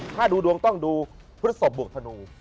ถ้าดูดวงต้องดูพฤศพบวกธนู